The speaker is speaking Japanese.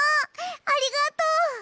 ありがとう。